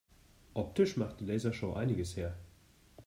Optisch macht die Lasershow einiges her.